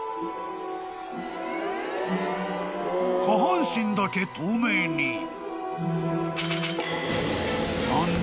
［下半身だけ透明に］